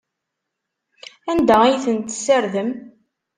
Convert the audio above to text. Anda ay ten-tessardem?